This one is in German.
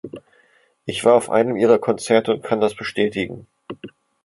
Ich war auf einem ihrer Konzerte und kann das bestätigen.